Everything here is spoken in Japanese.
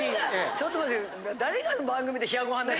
ちょっと待って。